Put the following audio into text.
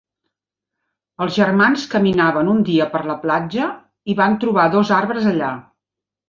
Els germans caminaven un dia per la platja i van trobar dos arbres allà.